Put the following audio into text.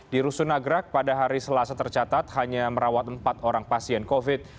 di rusun nagrak pada hari selasa tercatat hanya merawat empat orang pasien covid